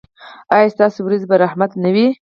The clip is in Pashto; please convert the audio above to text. ایا ستاسو ورېځې به رحمت نه وي؟